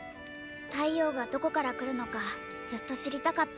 太陽がどこから来るのかずっと知りたかった。